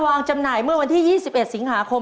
จำหน่ายเมื่อวันที่๒๑สิงหาคม